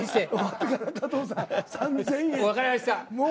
分かりました。